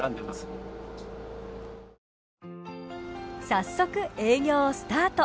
早速営業スタート。